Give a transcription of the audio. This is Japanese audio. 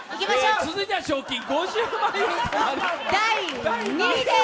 続いては賞金５０万円、第２位です。